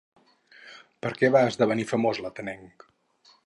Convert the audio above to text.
Per què va esdevenir famós l'atenenc?